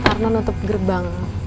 ntar pak tarno nutup gerbang